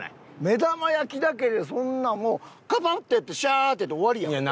目玉焼きだけでそんなんもうカパンッてやってシャーッてやって終わりやん。